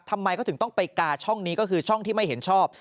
ทำไมเขาถึงต้องไปกาช่องนี้ก็คือช่องที่ไม่เห็นชอบ